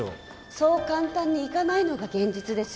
そう簡単にいかないのが現実ですよ。